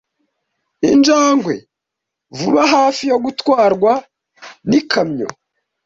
Injangwe vuba hafi yo gutwarwa n'ikamyo.